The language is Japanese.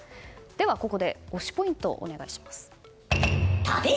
ここで推しポイントをお願いします。